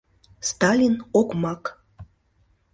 — Сталин — окмак!!!